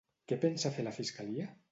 Què pensa fer la fiscalia?